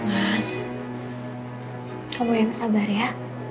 mas prabowo yang sabar ya